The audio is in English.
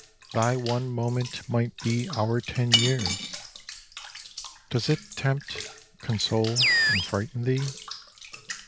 Thy one moment might be our ten years : Does it tempt, console and frighten thee